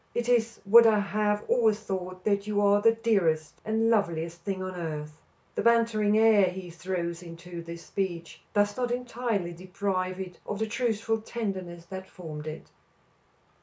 "It is what I have always thought, that you are the dearest and loveliest thing on earth." The bantering air he throws into this speech does not entirely deprive it of the truthful tenderness that formed it.